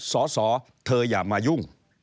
สอสอเธออย่ามายุ่ง